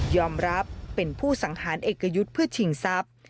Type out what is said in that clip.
รับเป็นผู้สังหารเอกยุทธ์เพื่อชิงทรัพย์